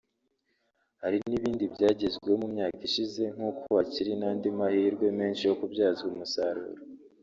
hari n’ibindi byagezweho mu myaka ishize nk’uko hakiri n’andi mahirwe menshi yo kubyazwa umusaruro